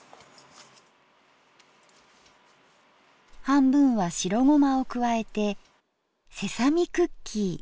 半分は白ごまを加えてセサミクッキー。